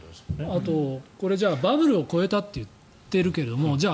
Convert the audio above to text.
あとこれバブルを超えたって言っているけれどもじゃ